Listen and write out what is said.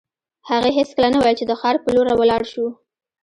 هغې هېڅکله نه ویل چې د ښار په لور ولاړ شو